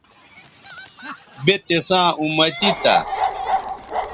بے تِساں اُمتی تھا